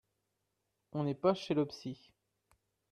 On n’est pas chez le psy